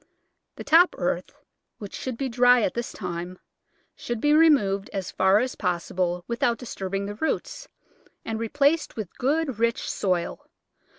The top earth — which should be dry at this time — should be removed as far as possible without disturbing the roots, and re placed with good, rich soil.